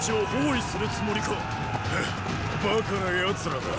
フッバカな奴らだ。